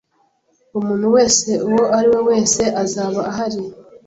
Umuntu wese uwo ari we wese azaba ahari.